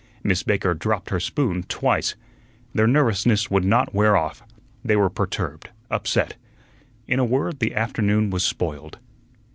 Miss Baker dropped her spoon twice. Their nervousness would not wear off. They were perturbed, upset. In a word, the afternoon was spoiled.